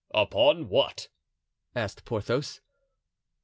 "Upon what?" asked Porthos.